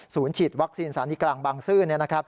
ศูนย์ฉีดวัคซีนสาริกลางบางซื่อน